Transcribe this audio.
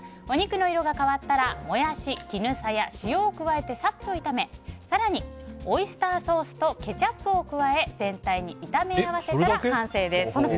お肉の色が変わったらモヤシ、キヌサヤ、塩を加えてサッと炒め更にオイスターソースとケチャップを加え全体に炒め合わせたら完成です。